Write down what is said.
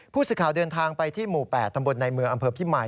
ผู้สื่อข่าวเดินทางไปที่หมู่๘ตำบลในเมืองอำเภอพิมาย